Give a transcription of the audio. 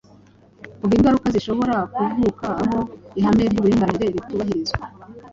Vuga ingaruka zishobora kuvuka aho ihame ry’uburinganire ritubahirizwa?